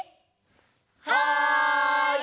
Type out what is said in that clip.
はい！